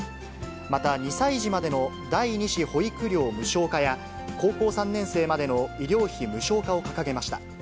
また、２歳児までの第２子保育料無償化や、高校３年生までの医療費無償化を掲げました。